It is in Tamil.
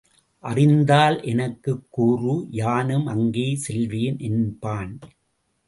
அறிந்தால் எனக்கும் கூறு யானும் அங்கே செல்வேன் என்பான்.